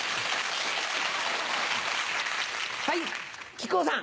はい木久扇さん。